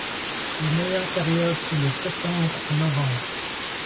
Les meilleures périodes sont de septembre à novembre.